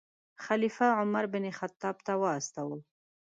خلیفه عمر بن خطاب ته واستاوه.